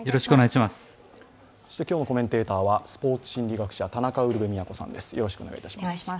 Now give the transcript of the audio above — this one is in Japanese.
そして、今日のコメンテーターはスポーツ心理学者田中ウルヴェ京さんです。